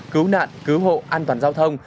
cứu nạn cứu hộ an toàn giao thông